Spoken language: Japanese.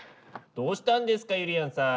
どうしたんですかゆりやんさん？